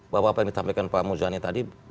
bahwa apa yang ditampilkan pak muzani tadi